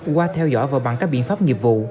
qua theo dõi và bằng các biện pháp nghiệp vụ